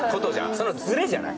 そのズレじゃない？